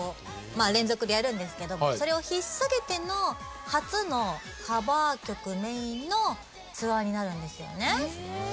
まあ連続でやるんですけどそれをひっさげての初のカバー曲メインのツアーになるんですよねええ